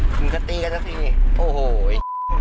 มีกะตีกับกะตีนี่โอ้โหไอ้